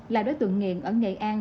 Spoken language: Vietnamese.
là đối tượng nghiện ở nghệ an